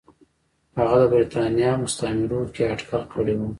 هغه د برېټانیا او مستعمرو کې اټکل کړی و.